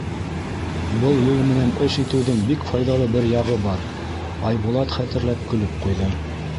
Был юл менән эш итеүҙең бик файҙалы бер яғы бар, — Айбулат хәтерләп көлөп ҡуйҙы.